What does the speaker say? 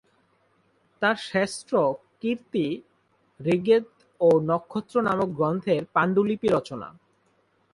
তার শ্রেষ্ঠ কীর্তি ঋগ্বেদ ও নক্ষত্র নামক গ্রন্থের পান্ডুলিপি রচনা।